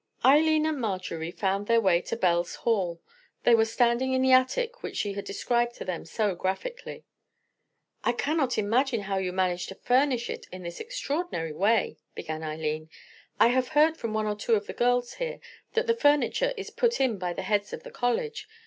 Eileen and Marjory had found their way to Belle's hall. They were standing in the attic which she had described to them so graphically. "I cannot imagine how you managed to furnish it in this extraordinary way," began Eileen. "I have heard from one or two of the girls here that the furniture is put in by the heads of the college.